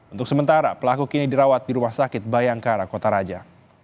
untuk sementara pelaku kini dirawat di rumah sakit bayangkara kota raja